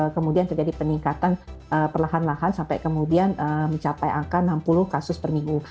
kemudian terjadi peningkatan perlahan lahan sampai kemudian mencapai angka enam puluh kasus per minggu